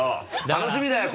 楽しみだよ！